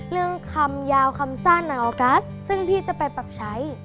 คำยาวคำสั้นออกัสซึ่งพี่จะไปปรับใช้